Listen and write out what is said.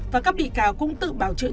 và các bị cáo cũng tự bào chứa